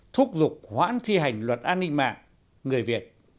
thúc giục hoãn thi hành luật an ninh mạng người việt